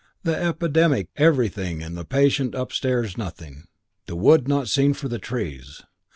The epidemic everything and the patient upstairs nothing. The wood not seen for the trees.